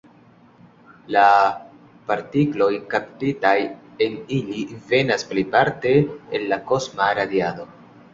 La partikloj kaptitaj en ili venas plejparte el la kosma radiado.